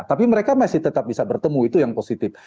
tapi mereka masih tetap bisa bertemu itu yang positif